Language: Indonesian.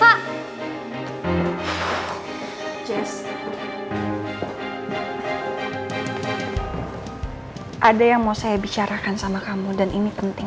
hai ada yang mau saya bicarakan sama kamu dan ini penting